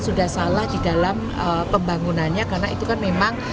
sudah salah di dalam pembangunannya karena itu kan memang